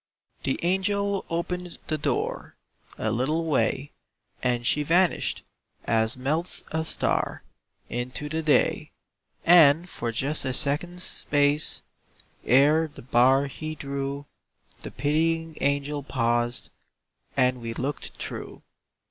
The angel opened the door A little way, And she vanished, as melts a star, Into the day, And, for just a second's space, Ere the bar he drew, The pitying angel paused, And we looked through.